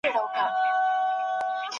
تاسي خپل لاسونه پاک ساتئ.